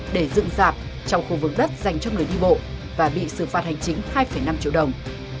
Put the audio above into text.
để dựng dạp trong khu vực đất dành cho người đi bộ và bị xử phạt hành chính hai năm triệu đồng